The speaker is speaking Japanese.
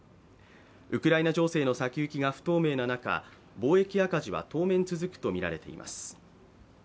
ウクライナ情勢の先行きが不透明な中貿易赤字は当面続くとみられています。